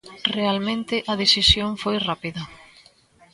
Realmente a decisión foi rápida.